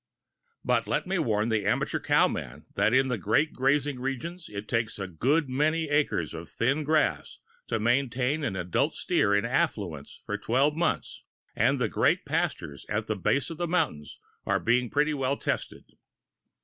But let me warn the amateur cow man that in the great grazing regions it takes a good many acres of thin grass to maintain the adult steer in affluence for twelve months, and the great pastures at the base of the mountains are being pretty well tested.